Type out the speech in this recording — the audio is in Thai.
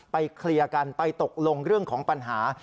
เคลียร์กันไปตกลงเรื่องของปัญหา